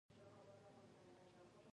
نو د دغه نعمت نه خو محروم محروم دی بلکي